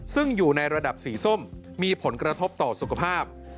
ซึ่งอยู่ในระดับสีส้มมีผลกระทบต่อสุขภาพ